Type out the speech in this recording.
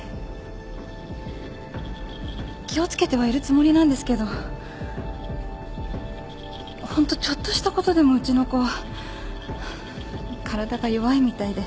気を付けてはいるつもりなんですけどホントちょっとしたことでもうちの子体が弱いみたいで。